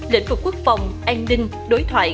lịch vực quốc phòng an ninh đối thoại